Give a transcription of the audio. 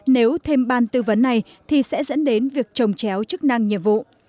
nếu thêm ban tư vấn này thì sẽ dẫn đến việc trồng chéo chức năng nhiệm vụ